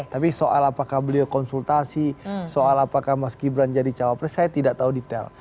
tapi soal apakah beliau konsultasi soal apakah mas gibran jadi cawapres saya tidak tahu detail